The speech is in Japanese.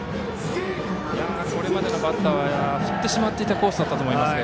これまでのバッターは振っていたコースだと思いますが。